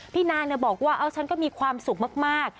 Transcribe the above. นานบอกว่าฉันก็มีความสุขมาก